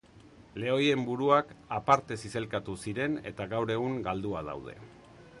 Lehoien buruak aparte zizelkatu ziren eta gaur egun galduak daude.